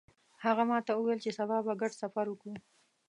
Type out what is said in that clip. هغه ماته وویل چې سبا به ګډ سفر وکړو